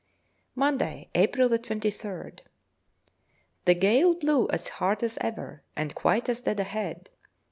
Monday, April 23rd. The gale blew as hard as ever, and quite as dead ahead.